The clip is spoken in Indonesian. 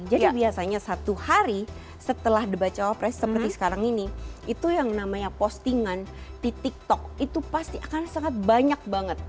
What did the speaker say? jadi biasanya satu hari setelah debat cowok pres seperti sekarang ini itu yang namanya postingan di tiktok itu pasti akan sangat banyak banget